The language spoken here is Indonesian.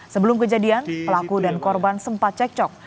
sebelum kejadian pelaku dan korban sempat cekcok